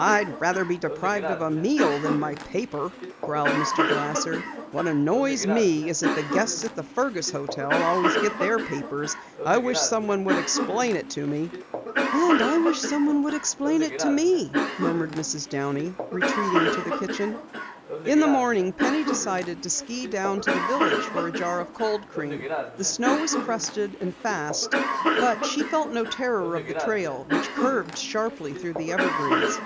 "I'd rather be deprived of a meal than my paper," growled Mr. Glasser. "What annoys me is that the guests at the Fergus hotel always get their papers. I wish someone would explain it to me." "And I wish someone would explain it to me," murmured Mrs. Downey, retreating to the kitchen. In the morning Penny decided to ski down to the village for a jar of cold cream. The snow was crusted and fast but she felt no terror of the trail which curved sharply through the evergreens.